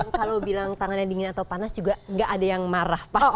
kalau bilang tangannya dingin atau panas juga nggak ada yang marah pak